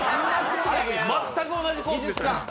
全く同じコースでした。